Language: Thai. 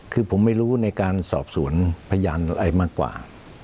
คือผมไม่รู้ในการสอบสวนพยานอะไรมากกว่า